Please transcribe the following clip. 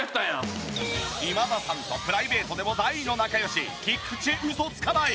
今田さんとプライベートでも大の仲良しキクチウソツカナイ。。